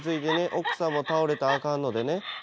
奥さんも倒れたらあかんのでね。